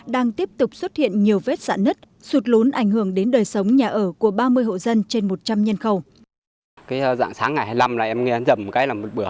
đang tiếp tục xuất hiện nhiều vết sạn nứt sụt lốn ảnh hưởng đến đời sống nhà ở của ba mươi hộ dân trên một trăm linh nhân khẩu